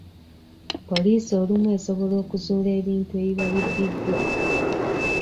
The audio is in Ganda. Poliisi olumu esobola okuzuula ebintu ebiba bibbiddwa.